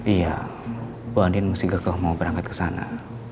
iya bu andien masih gagal mau berangkat ke sana